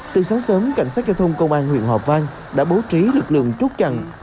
từ sáng sớm cảnh sát giao thông công an huyện hòa vang đã bố trí lực lượng chốt chặn